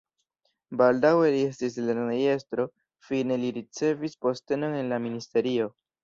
Baldaŭe li estis lernejestro, fine li ricevis postenon en la ministerio.